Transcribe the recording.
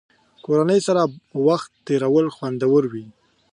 کورنۍ سره وخت تېرول خوندور وي.